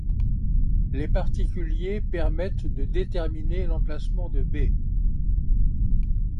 Les particuliers permettent de déterminer l'emplacement de B'.